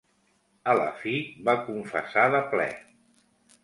A la fi va confessar de ple.